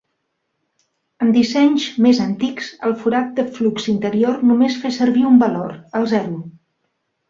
En dissenys més antics, el forat de flux interior només fer servir un valor, el zero.